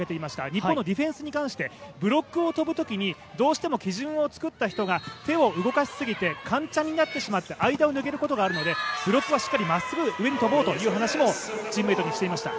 日本のディフェンスに関してブロックを跳ぶときにどうしても基準を作った人が手を動かしすぎて、間チャンになってしまって間を抜けることがあるのでブロックはしっかりまっすぐ上に跳ぼうという話もチームメートにしていました。